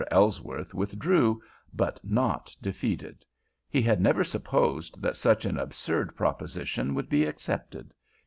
Ellsworth withdrew, but not defeated. He had never supposed that such an absurd proposition would be accepted.